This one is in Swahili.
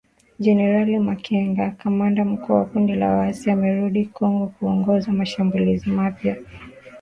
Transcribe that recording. Generali Makenga, kamanda mkuu wa kundi la waasi amerudi Kongo kuongoza mashambulizi mapya